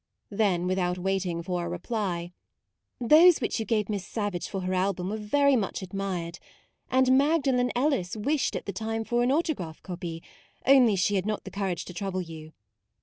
" Then without waiting for a reply : u Those which you gave Miss Savage for her album were very much admired ; and Magdalen Ellis wished at the time for an autograph copy, only she had not the courage to trouble you.